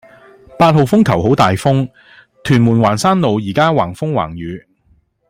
八號風球好大風，屯門環山路依家橫風橫雨